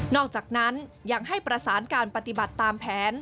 อกจากนั้นยังให้ประสานการปฏิบัติตามแผน